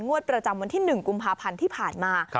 งวดประจำวันที่๑กุมภาพันธ์ที่ผ่านมา